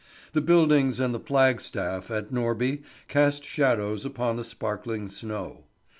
The buildings and the flagstaff at Norby cast shadows upon the sparkling snow.